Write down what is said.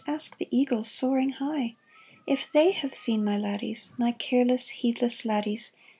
Ask the eagles soaring high. If they have seen my laddies, My careless, heedless laddies.